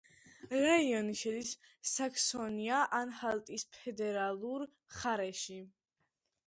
რაიონი შედის საქსონია-ანჰალტისფედერალურ მხარეში.